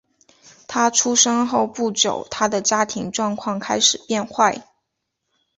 他出生后不久他的家庭状况开始变坏。